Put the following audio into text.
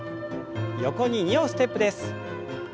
横に２歩ステップです。